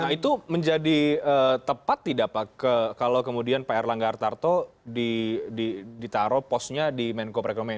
nah itu menjadi tepat tidak pak kalau kemudian pak erlangga artarto ditaruh posnya di menko perekonomian